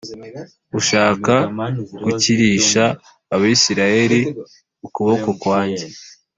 ushaka gukirisha Abisirayeli ukuboko kwanjye